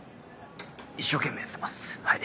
一生懸命やってますはい。